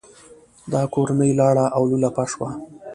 دا کورنۍ لاړه او لولپه شوه.